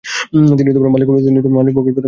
তিনি মালিকপক্ষকে প্রথম উদ্বুদ্ধ করেন।